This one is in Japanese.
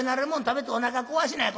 食べておなか壊しなや。